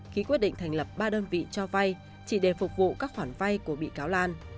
ký quyết định thành lập ba đơn vị cho vay chỉ để phục vụ các khoản vay của bị cáo lan